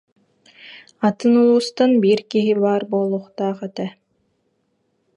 Атын улуустан биир киһи баар буолуохтаах этэ